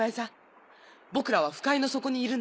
僕らは腐海の底にいるんだよ。